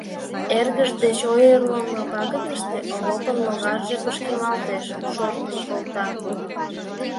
Эргыж деч ойырлымо пагытыште Овопын логарже пышкемалтеш, шортын колта.